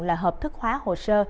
là hợp thức hóa hồ sơ